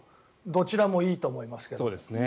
どちらもいいと思いますけれど。